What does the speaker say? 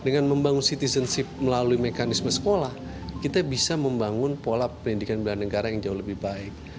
dengan membangun citizenship melalui mekanisme sekolah kita bisa membangun pola pendidikan bela negara yang jauh lebih baik